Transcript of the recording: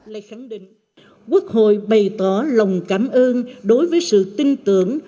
lê khẳng định quốc hội bày tỏ lòng cảm ơn đối với sự tin tưởng